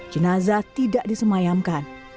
jenazah tidak disemayamkan